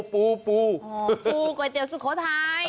ปูปูก๋วยเตี๋สุโขทัย